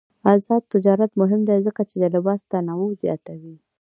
آزاد تجارت مهم دی ځکه چې د لباس تنوع زیاتوي.